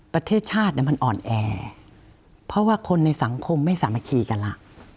ประเทศชาติมันอ่อนแอเพราะว่าคนในสังคมไม่สามารถคีกันล่ะ